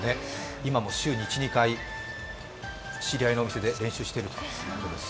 今も週に１２回、知り合いのお店で練習していると。